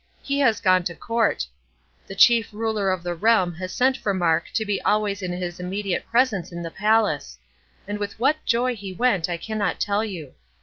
He has gone to court. The chief Ruler of the realm has sent for Mark to be always in his immediate presence in the palace; and with what joy he went I cannot tell you.